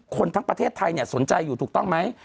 ทั้งประเทศไทยสนใจอยู่ถูกต้องไหม